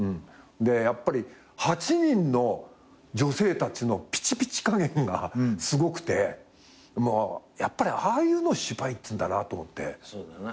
でやっぱり８人の女性たちのぴちぴち加減がすごくてやっぱりああいうのを芝居っつうんだなと思って。